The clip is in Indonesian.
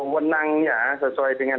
menangnya sesuai dengan